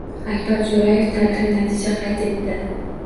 Akbar Jo‘rayev tarixiy natija qayd etdi